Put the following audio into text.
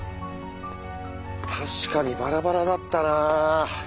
確かにバラバラだったなあ。